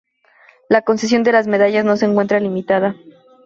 La concesión de las medallas no se encuentra limitada.